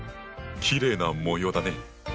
きれいな模様だね。